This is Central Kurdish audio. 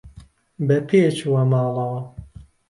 بە پێ چووە ماڵەوە.